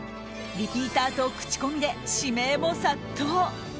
リピーターと口コミで指名も殺到。